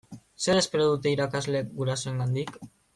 Zer espero dute irakasleek gurasoengandik?